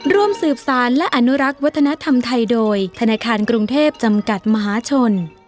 ร่วมสืบสารและอนุรักษ์วัฒนธรรมไทยโดยธนาคารกรุงเทพจำกัดมหาชน